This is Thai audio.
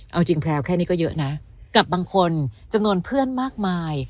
เอาจริงแพลวแค่นี้ก็เยอะนะกับบางคนจำนวนเพื่อนมากมาย